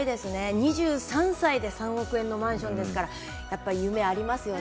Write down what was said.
２３歳で３億円のマンションですから、やっぱり夢がありますね。